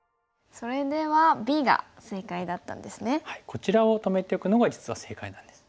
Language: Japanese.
こちらを止めておくのが実は正解なんです。